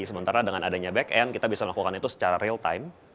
sementara dengan adanya back end kita bisa melakukan itu secara real time